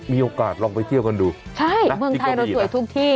มีโอกาสลองไปเที่ยวกันดูใช่เมืองไทยเราสวยทุกที่